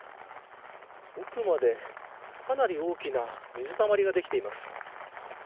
奥まで、かなり大きな水たまりができています。